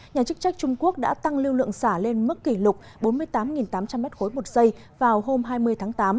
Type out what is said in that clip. nhà chức trách trung quốc đã tăng lưu lượng xả lên mức kỷ lục bốn mươi tám tám trăm linh m ba một giây vào hôm hai mươi tháng tám